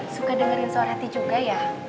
suka dengerin suara hati juga ya